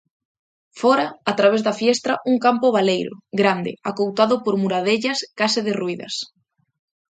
Fóra, a través da fiestra, un campo baleiro, grande, acoutado por muradellas case derruídas.